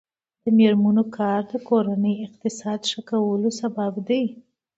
د میرمنو کار د کورنۍ اقتصاد ښه کولو سبب دی.